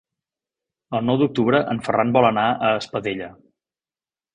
El nou d'octubre en Ferran vol anar a Espadella.